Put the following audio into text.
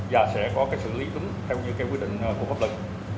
và sẽ có sự lý tính theo quyết định của pháp luật